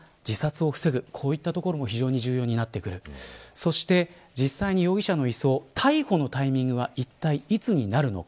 そして実際に容疑者の移送逮捕のタイミングはいったい、いつになるのか。